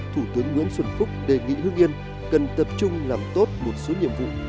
thủ tướng nguyễn xuân phúc đề nghị hương yên cần tập trung làm tốt một số nhiệm vụ